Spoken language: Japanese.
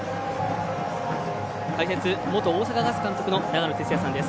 解説、元大阪ガス監督の長野哲也さんです。